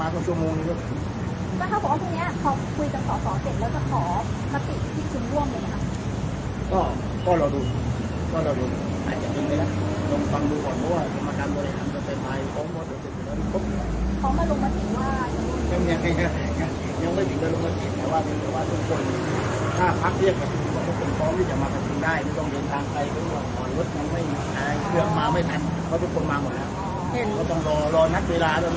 ก็ก็ลองดูก็ลองดูอาจจะกลับไม่ได้แล้ว